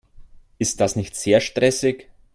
Ist das nicht sehr stressig?